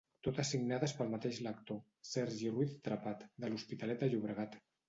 Totes signades pel mateix lector: Sergi Ruiz Trepat, de l'Hospitalet de Llobregat.